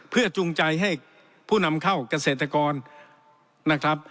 เพื่อจูงใจให้ผู้นำเข้าเกษตรกรนะครับ